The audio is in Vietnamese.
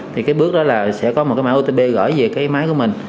thì cái bước đó là sẽ có một cái mã otp gửi về cái máy của mình